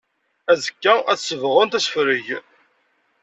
Azekka ad sebɣent asefreg.